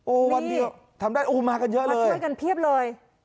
โอ้ววันเดียวทำได้โอ้วมากันเยอะเลยมาใช้กันเพียบเลย